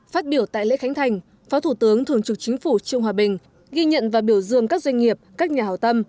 phát biểu tại lễ khánh thành phó thủ tướng thường trực chính phủ trương hòa bình ghi nhận và biểu dương các doanh nghiệp các nhà hào tâm